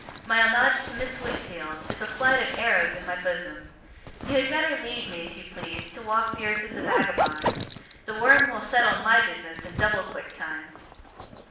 My homage to Miss Wickfield, is a flight of arrows in my bosom. You had better leave me, if you please, to walk the earth as a vagabond. The worm will settle my business in double quick time.